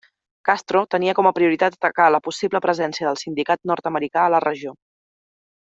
Castro tenia com a prioritat atacar la possible presència del sindicat nord-americà a la regió.